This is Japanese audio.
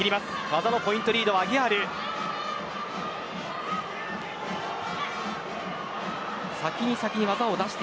技のポイントリードはアギアールです。